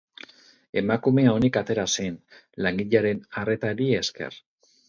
Emakumea onik atera zen, langilearen arretari esker.